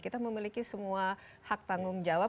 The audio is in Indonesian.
kita memiliki semua hak tanggung jawab